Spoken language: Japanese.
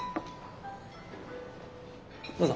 どうぞ。